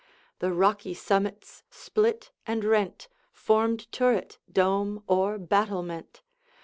The rocky summits, split and rent, Formed turret, dome, or battlement.